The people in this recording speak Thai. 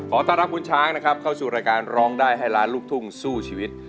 ขอต้อนรับคุณช้างนะครับเข้าสู่รายการร้องได้ให้ล้านลูกทุ่งสู้ชีวิต